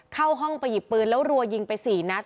เข้าห้องไปหยิบปืนแล้วรัวยิงไป๔นัด